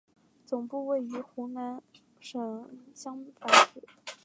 总部位于湖北省襄樊市。